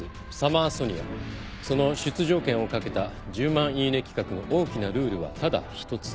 その出場権を懸けた１０万イイネ企画の大きなルールはただ一つ。